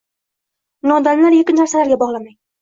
Uni odamlar yoki narsalarga bog’lamang